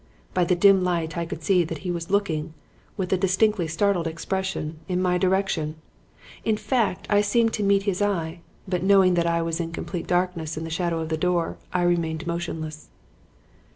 By the dim light I could see that he was looking, with a distinctly startled expression, in my direction; in fact, I seemed to meet his eye; but, knowing that I was in complete darkness in the shadow of the door, I remained motionless.